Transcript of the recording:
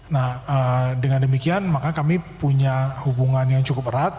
nah dengan demikian maka kami punya hubungan yang cukup erat